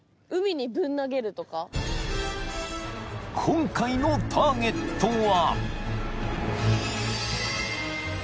［今回のターゲットは］